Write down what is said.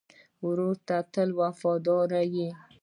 ورور ته تل وفادار یې.